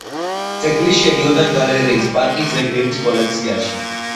ძეგლი შედიოდა გალერეის პარკის ძეგლების კოლექციაში.